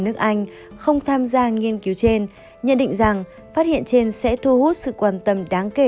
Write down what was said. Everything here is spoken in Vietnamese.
nước anh không tham gia nghiên cứu trên nhận định rằng phát hiện trên sẽ thu hút sự quan tâm đáng kể